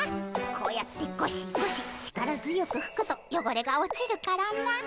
こうやってゴシゴシ力強くふくとよごれが落ちるからな。